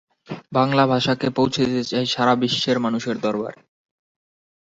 পৃথিবীতে বহু প্রকার শৈবাল জন্মে থাকে।